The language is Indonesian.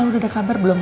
lu udah ada kabar belum